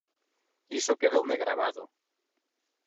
Iso quedoume gravado.